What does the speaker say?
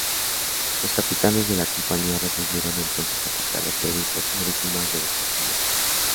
Los capitanes de la Compañía resolvieron entonces atacar las provincias marítimas de los otomanos.